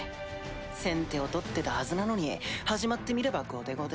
先手を取ってたはずなのに始まってみれば後手後手。